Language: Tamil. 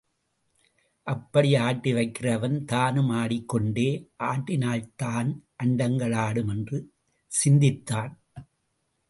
அப்படி ஆட்டி வைக்கிறவன் தானும் ஆடிக் கொண்டே ஆட்டினால்தான் அண்டங்கள் ஆடும் என்று சிந்தித்தான்.